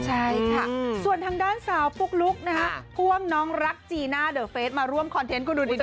ใช่ค่ะส่วนทางด้านสาวปุ๊กลุ๊กนะฮะพ่วงน้องรักจีน่าเดอะเฟสมาร่วมคอนเทนต์ก็ดูดี